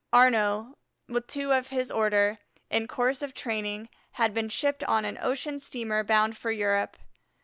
Arnaux, with two of his order, in course of training, had been shipped on an ocean steamer bound for Europe.